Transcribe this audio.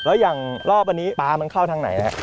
แล้วอย่างรอบอันนี้ปลามันเข้าทางไหนฮะ